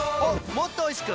もっとおいしく！